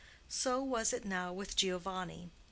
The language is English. So was it now with Giovanni.